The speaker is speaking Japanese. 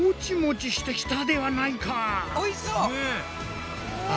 おいしそう。